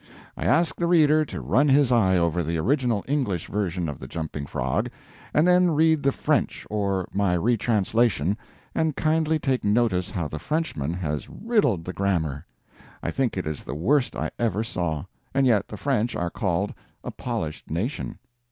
I ask the reader to run his eye over the original English version of the Jumping Frog, and then read the French or my retranslation, and kindly take notice how the Frenchman has riddled the grammar. I think it is the worst I ever saw; and yet the French are called a polished nation.